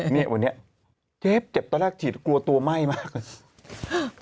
วันนี้เจ็บตอนแรกฉีดกลัวตัวไหม้มาก